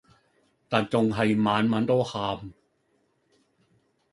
但仲係晚晚都喊